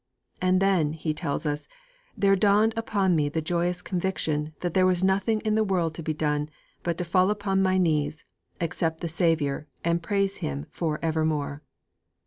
'And then,' he tells us, 'there dawned upon me the joyous conviction that there was nothing in the world to be done but to fall upon my knees, accept the Saviour and praise Him for evermore.'